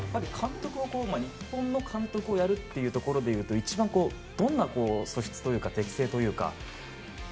日本の監督をやるというところでいうと一番、どんな素質というか適性というか。